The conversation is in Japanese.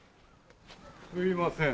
すいません。